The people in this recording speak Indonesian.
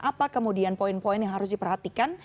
apa kemudian poin poin yang harus diperhatikan